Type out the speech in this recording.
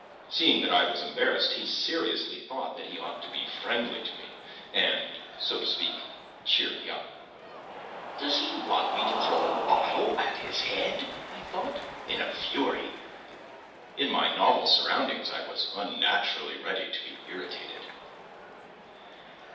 Seeing that I was embarrassed he seriously thought that he ought to be friendly to me, and, so to speak, cheer me up. "Does he want me to throw a bottle at his head?" I thought, in a fury. In my novel surroundings I was unnaturally ready to be irritated.